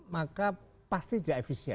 maka pasti dia efisien